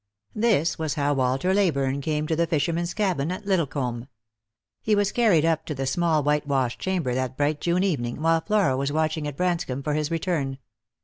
This was how Walter Leyburne came to the fisherman's cabin at Liddlecomb. He was carried up to the small whitewashed chamber that bright June evening, while Flora was watching at Branscomb for his return.